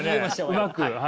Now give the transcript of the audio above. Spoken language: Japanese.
うまく。